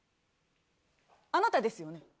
あなたですよね？